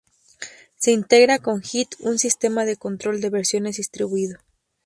Se integra con Git, un sistema de control de versiones distribuido.